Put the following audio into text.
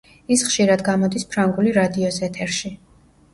ის ხშირად გამოდის ფრანგული რადიოს ეთერში.